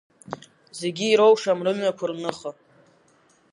Зегьы ироушам рымҩақәа рныха…